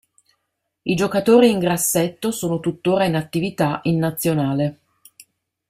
I giocatori in grassetto sono tuttora in attività in Nazionale.